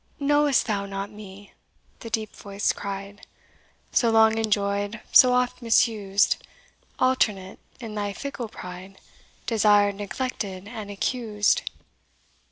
"Know'st thou not me!" the Deep Voice cried, "So long enjoyed, so oft misused Alternate, in thy fickle pride, Desired, neglected, and accused?